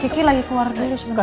kiki lagi keluar dulu sebentar